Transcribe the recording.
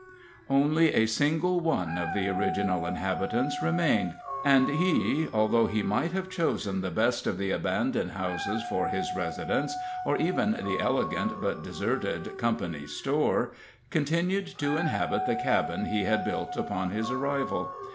Only a single one of the original inhabitants remained, and he, although he might have chosen the best of the abandoned houses for his residence, or even the elegant but deserted "company's store," continued to inhabit the cabin he had built upon his arrival.